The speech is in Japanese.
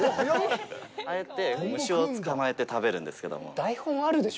ああやって虫を捕まえて食べるんですけども。